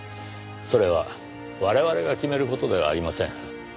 それは我々が決める事ではありません。